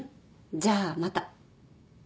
じゃあまた。